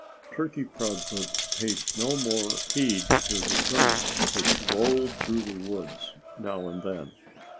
Turkey Proudfoot paid no more heed to the drumming, which rolled through the woods now and then.